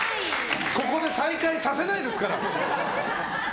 ここで再会させないですから。